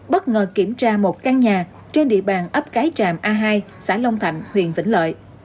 bất ngờ kiểm tra một căn nhà trên địa bàn ấp cái tràm a hai xã long thạnh huyện vĩnh lợi